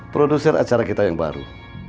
produser acara kita yang baru